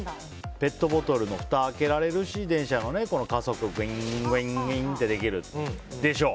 ペットボトルのふたを開けられるし電車の加速、グイーンってできるやつでしょ。